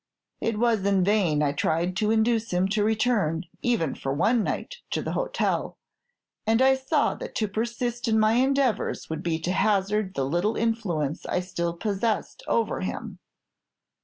It was in vain I tried to induce him to return, even for one night, to the hotel; and I saw that to persist in my endeavors would be to hazard the little influence I still possessed over him.